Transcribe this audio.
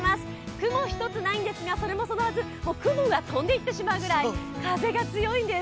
雲ひとつないんですが雲が飛んでいってしまうぐらい風が強いんです。